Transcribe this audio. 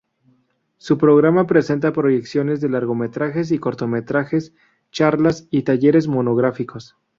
Su programa presenta proyecciones de largometrajes y cortometrajes, charlas y talleres monográficos.